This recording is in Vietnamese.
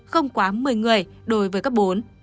không quá một mươi người đối với cấp bốn